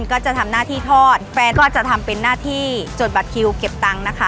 ก็จะทำหน้าที่ทอดแฟนก็อาจจะทำเป็นหน้าที่จดบัตรคิวเก็บตังค์นะคะ